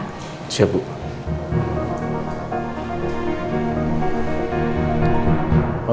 hai siap bukhara